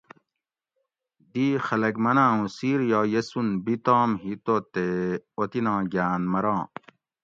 دی خلک مناۤں اوں سیر یا یسون بِتام ہی تو تے اوطناں گھاۤن مراں